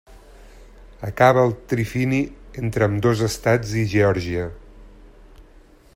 Acaba al trifini entre ambdós estats i Geòrgia.